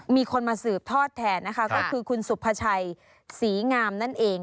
มีคนมาสืบทอดแทนนะคะก็คือคุณสุภาชัยศรีงามนั่นเอง